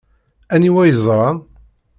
Aniwa yeẓran?